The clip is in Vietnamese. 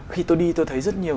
khi tôi đi tôi thấy rất nhiều